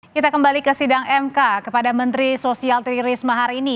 kita kembali ke sidang mk kepada menteri sosial tri risma hari ini